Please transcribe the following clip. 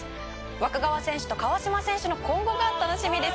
「湧川選手と川島選手の今後が楽しみですね」